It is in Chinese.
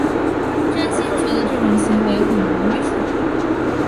真心觉得这种行为很愚蠢